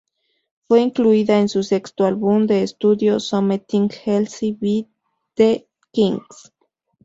Fue incluida en su sexto álbum de estudio, "Something Else by The Kinks".